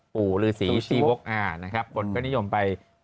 ปืนไปที่ไหน